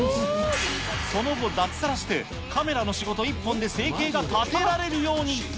その後、脱サラしてカメラの仕事一本で生計が立てられるように。